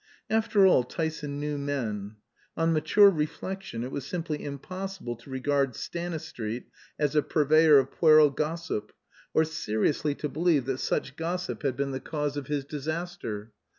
After all, Tyson knew men. On mature reflection it was simply impossible to regard Stanistreet as a purveyor of puerile gossip, or seriously to believe that such gossip had been the cause of his disaster.